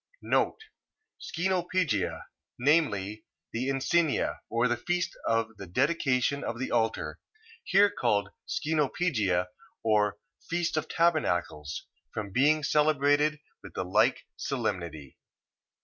Scenopegia... Viz., the Encenia, or feast of the dedication of the altar, called here Scenopegia, or feast of tabernacles, from being celebrated with the like solemnity.